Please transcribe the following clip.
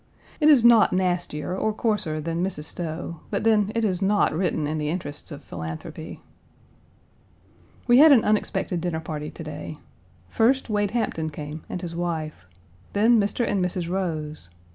It is not nastier or coarser than Mrs. Stowe, but then it is not written in the interests of philanthropy. We had an unexpected dinner party to day. First, Wade Hampton came and his wife. Then Mr. and Mrs. Rose.